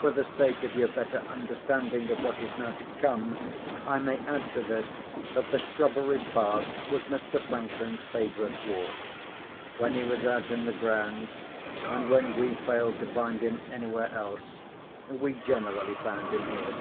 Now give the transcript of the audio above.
For the sake of your better understanding of what is now to come, I may add to this, that the shrubbery path was Mr. Franklin's favourite walk. When he was out in the grounds, and when we failed to find him anywhere else, we generally found him here.